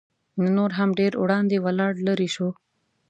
نو نور هم ډېر وړاندې ولاړ لېرې شو.